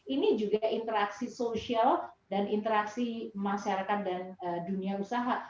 ini juga interaksi sosial dan interaksi masyarakat dan dunia usaha